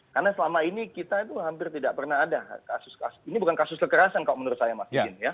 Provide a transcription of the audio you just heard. karena selama ini kita itu hampir tidak pernah ada kasus ini bukan kasus kekerasan kalau menurut saya mas